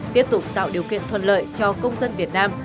tiếp tục tạo điều kiện thuận lợi cho công dân việt nam